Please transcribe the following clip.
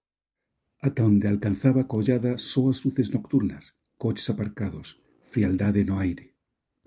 ata onde alcanzaba coa ollada só as luces nocturnas, coches aparcados, frialdade no aire.